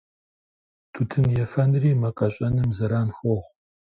Тутын ефэнри мэ къэщӀэным зэран хуохъу.